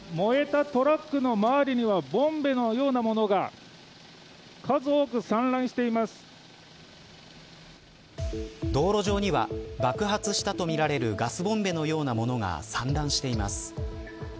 燃えたトラックの周りにはボンベのようなものが道路上には爆発したとみられるガスボンベのような物が散乱しています。